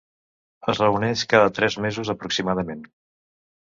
Es reuneix cada tres mesos aproximadament.